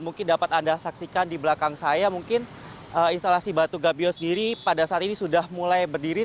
mungkin dapat anda saksikan di belakang saya mungkin instalasi batu gabio sendiri pada saat ini sudah mulai berdiri